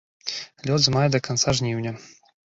Лёт з мая да канца жніўня.